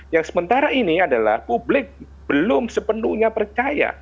yang sementara ini adalah publik belum sepenuhnya percaya